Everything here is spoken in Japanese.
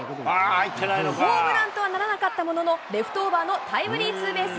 ホームランとはならなかったものの、レフトオーバーのタイムリーツーベース。